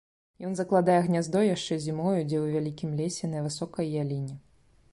Ён закладае гняздо яшчэ зімою дзе ў вялікім лесе на высокай яліне.